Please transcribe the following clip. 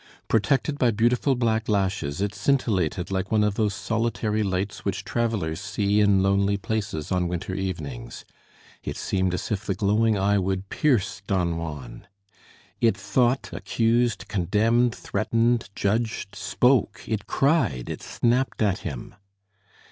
Protected by beautiful black lashes, it scintillated like one of those solitary lights which travelers see in lonely places on winter evenings. It seemed as if the glowing eye would pierce Don Juan. It thought, accused, condemned, threatened, judged, spoke it cried, it snapped at him!